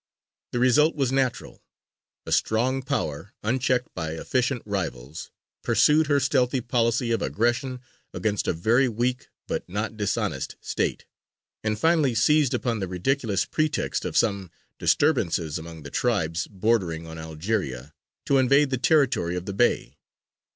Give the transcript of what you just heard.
The result was natural: a strong Power, unchecked by efficient rivals, pursued her stealthy policy of aggression against a very weak, but not dishonest, State; and finally seized upon the ridiculous pretext of some disturbances among the tribes bordering on Algeria to invade the territory of the Bey.